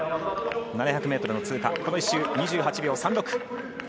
７００ｍの通過、この１周２８秒３６。